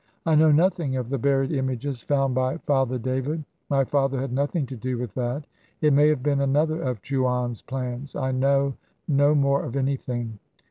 I know nothing of the buried images found by Father David. My father had nothing to do with that. It may have been another of Chouane's plans. I know no more of anything.